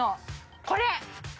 これ！